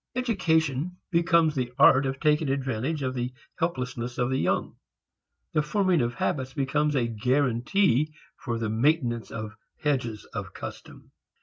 Education becomes the art of taking advantage of the helplessness of the young; the forming of habits becomes a guarantee for the maintenance of hedges of custom.